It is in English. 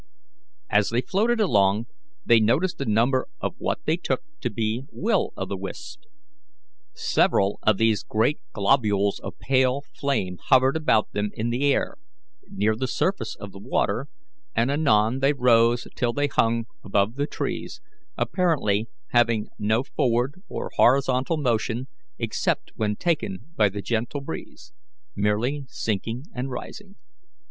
As they floated along they noticed a number of what they took to be Will o' the wisps. Several of these great globules of pale flame hovered about them in the air, near the surface of the water, and anon they rose till they hung above the trees, apparently having no forward or horizontal motion except when taken by the gentle breeze, merely sinking and rising.